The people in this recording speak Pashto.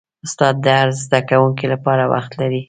استاد د هر زده کوونکي لپاره وخت لري.